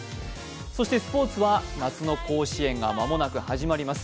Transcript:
そしてスポーツは夏の甲子園が間もなく始まります。